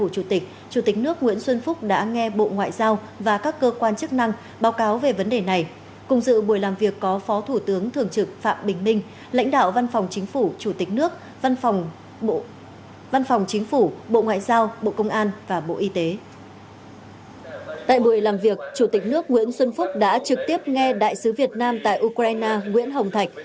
chủ tịch nước nguyễn xuân phúc đã trực tiếp nghe đại sứ việt nam tại ukraine nguyễn hồng thạch